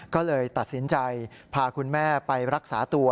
ก็เลยตัดสินใจพาคุณแม่ไปรักษาตัว